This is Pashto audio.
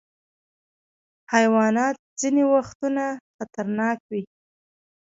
حیوانات ځینې وختونه خطرناک وي.